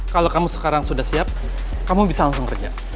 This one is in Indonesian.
kalau kamu sekarang sudah siap kamu bisa langsung kerja